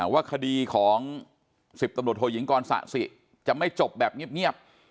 ว่าคดีของ๑๐ตำรวจโทยิงกรสะสิจะไม่จบแบบเงียบ